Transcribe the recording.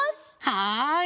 はい！